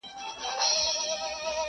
بولي یې د خدای آفت زموږ د بد عمل سزا!